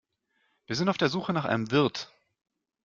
Wir sind auf der Suche nach einem Wirt.